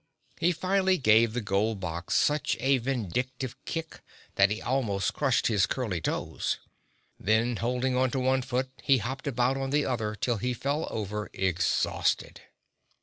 He finally gave the gold box such a vindictive kick that he almost crushed his curly toes; then holding onto one foot, he hopped about on the other till he fell over exhausted.